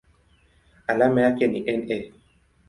Alama yake ni Na.